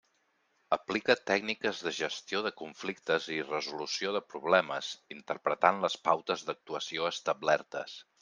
Aplica tècniques de gestió de conflictes i resolució de problemes, interpretant les pautes d'actuació establertes.